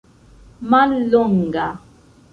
mallonga